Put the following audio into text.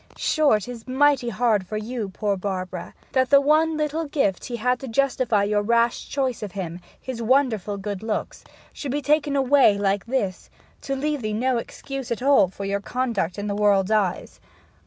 'Sure, 'tis mighty hard for you, poor Barbara, that the one little gift he had to justify your rash choice of him his wonderful good looks should be taken away like this, to leave 'ee no excuse at all for your conduct in the world's eyes